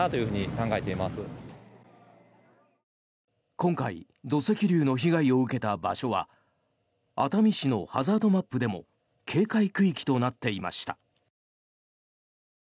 今回土石流の被害を受けた場所は熱海市のハザードマップでも警戒区域となっていました。